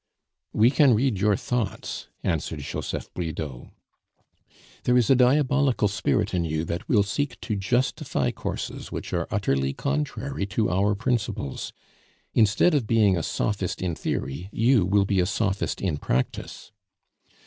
"We can read your thoughts," answered Joseph Bridau. "There is a diabolical spirit in you that will seek to justify courses which are utterly contrary to our principles. Instead of being a sophist in theory, you will be a sophist in practice."